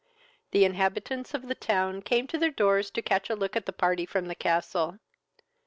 The inhabitants of the town came to their doors to catch a look at the party from the castle.